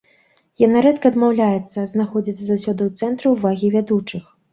Яна рэдка адмаўляецца, знаходзіцца заўсёды ў цэнтры ўвагі вядучых.